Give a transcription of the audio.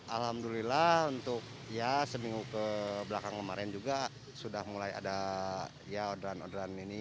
alhamdulillah untuk ya seminggu kebelakang kemarin juga sudah mulai ada ya orderan orderan ini